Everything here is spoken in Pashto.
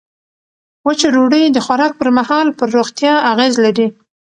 وچه ډوډۍ د خوراک پر مهال پر روغتیا اغېز لري.